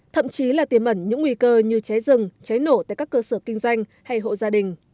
thậm chí là tiềm ẩn những nguy cơ như cháy rừng cháy nổ tại các cơ sở kinh doanh hay hộ gia đình